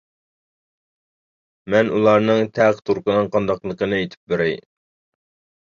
-مەن ئۇلارنىڭ تەقى-تۇرقىنىڭ قانداقلىقىنى ئېيتىپ بېرەي.